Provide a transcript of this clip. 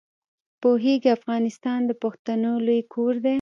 پوهېږې افغانستان د پښتنو لوی کور دی.